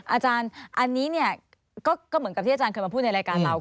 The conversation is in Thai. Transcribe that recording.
อาจารย์อันนี้เนี่ยก็เหมือนกับที่อาจารย์เคยมาพูดในรายการเรา